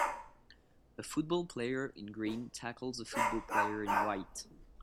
A football player in green tackles a football player in white